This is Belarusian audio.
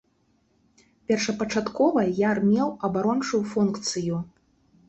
Першапачаткова яр меў абарончую функцыю.